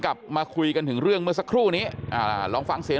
กลับมาคุยกันถึงเรื่องเมื่อสักครู่นี้อ่าลองฟังเสียง